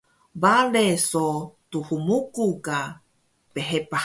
Bale so thmuku ka phepah